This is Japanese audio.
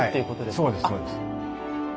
はいそうですそうです。